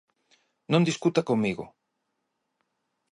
Non discuta comigo.